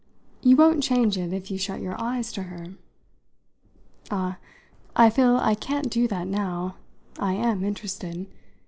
You won't change it if you shut your eyes to her." "Ah, I feel I can't do that now. I am interested.